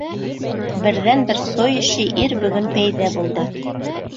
Берҙән-бер стоящий ир бөгөн пәйҙә булды.